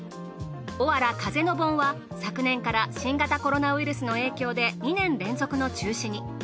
おわら風の盆は昨年から新型コロナウイルスの影響で２年連続の中止に。